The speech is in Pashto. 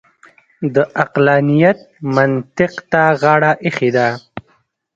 د عقلانیت منطق ته غاړه اېښې ده.